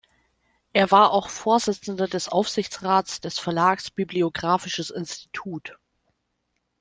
Er war auch Vorsitzender des Aufsichtsrats des Verlags Bibliographisches Institut.